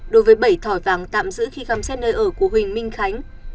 đối với bảy thỏi vàng tạm giữ khi khám xét nơi ở của huỳnh minh khánh